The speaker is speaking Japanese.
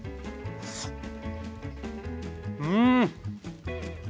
うん！